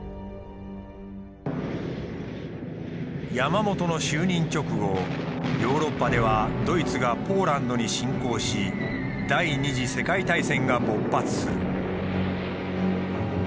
山本の就任直後ヨーロッパではドイツがポーランドに侵攻し第二次世界大戦が勃発する。